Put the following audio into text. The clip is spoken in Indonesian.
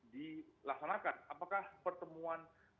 dilaksanakan apakah pertemuan